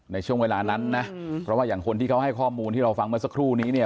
ในช่วงเวลานั้นนะเพราะว่าอย่างคนที่เขาให้ข้อมูลที่เราฟังเมื่อสักครู่นี้เนี่ย